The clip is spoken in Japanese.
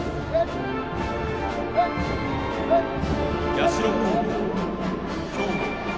社高校・兵庫。